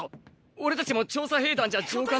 俺たちも調査兵団じゃ上官だろ？